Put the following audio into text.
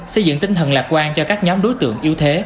xây dựng tinh thần lạc quan cho các nhóm đối tượng